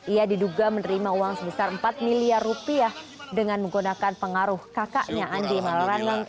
ia diduga menerima uang sebesar empat miliar rupiah dengan menggunakan pengaruh kakaknya andi malarangi